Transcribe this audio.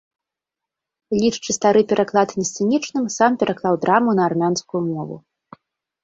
Лічачы стары пераклад несцэнічным, сам пераклаў драму на армянскую мову.